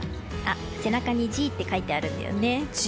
背中にＧって書いてあるんだよね。